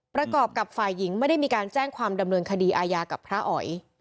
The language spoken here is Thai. ประกอบกับฝ่ายหญิงไม่ได้มีการแจ้งความดำเนินคดีอาญากับพระอ๋อย